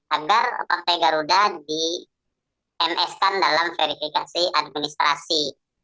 agar partai garuda di ms kan dalam verifikasi administrasi